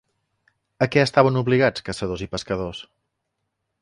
A què estaven obligats caçadors i pescadors?